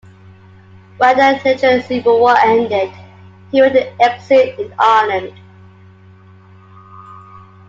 When the Nigerian Civil War ended, he went into exile in Ireland.